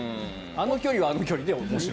あの距離はあの距離で面白い。